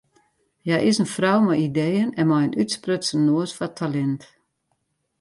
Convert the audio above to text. Hja is in frou mei ideeën en mei in útsprutsen noas foar talint.